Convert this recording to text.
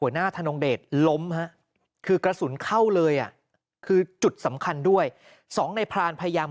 หน้าธนงเดชล้มฮะคือกระสุนเข้าเลยอ่ะคือจุดสำคัญด้วยสองในพรานพยายาม